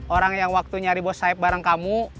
orang yang waktu nyari bos saya bareng kamu